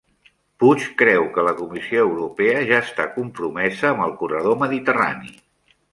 Puig creu que la Comissió Europea ja està compromesa amb el corredor mediterrani